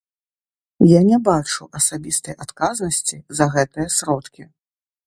Я не бачу асабістай адказнасці за гэтыя сродкі.